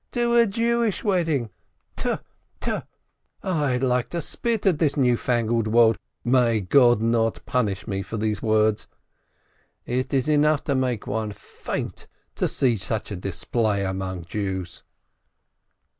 To a Jewish wedding! ... Tpfu, tpfu, I'd like to spit at this newfangled world, may God not punish me for these words ! It is enough to make one faint to see such a display among Jews!"